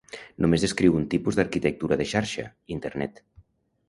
Només descriu un tipus d'arquitectura de xarxa, internet.